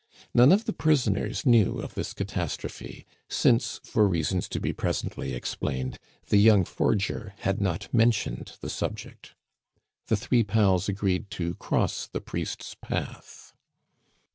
None of the prisoners knew of this catastrophe, since, for reasons to be presently explained, the young forger had not mentioned the subject. The three pals agreed to cross the priest's path.